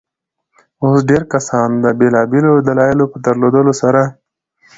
اوس ډېرى کسان د بېلابيلو دلايلو په درلودلو سره.